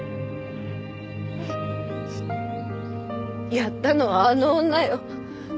やったのはあの女よ。